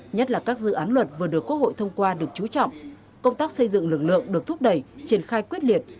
nhất là các dự án luật vừa được quốc hội thông qua được trú trọng công tác xây dựng lực lượng được thúc đẩy triển khai quyết liệt